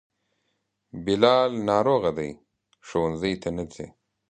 بلال ناروغه دی, ښونځي ته نه ځي